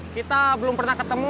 kita belum pernah ketemu